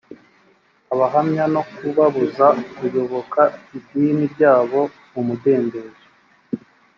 abahamya no kubabuza kuyoboka idini ryabo mu mudendezo